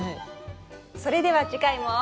それでは次回も。